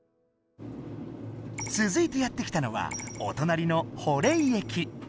つづいてやって来たのはおとなりの甫嶺駅。